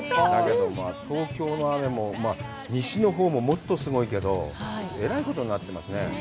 東京の雨も、西のほうももっとすごいけど、えらいことになってますね。